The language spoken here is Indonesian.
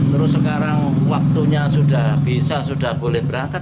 terus sekarang waktunya sudah bisa sudah boleh berangkat